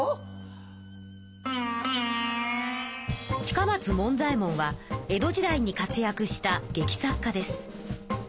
近松門左衛門は江戸時代に活やくした劇作家です。